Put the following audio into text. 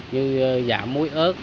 như dạ muối ớt